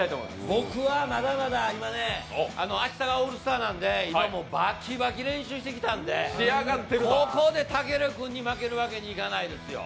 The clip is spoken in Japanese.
僕はまだまだ、今ね、明日が「オールスター」なので今、もうバキバキ練習してきたんでここでたける君に負けるわけにいかないですよ。